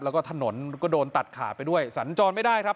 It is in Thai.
แล้วก็ถนนก็โดนตัดขาไปด้วยสัญจรไม่ได้ครับ